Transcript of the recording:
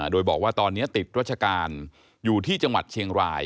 โดยบอกว่าตอนนี้ติดรัชการอยู่ที่จังหวัดเชียงราย